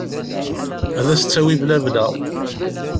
Ad as-d-tawi blabla.